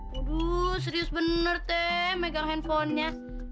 aduh serius bener teh megang handphonenya